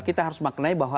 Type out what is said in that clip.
kita harus memaknai bahwa